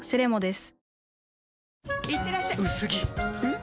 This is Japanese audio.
ん？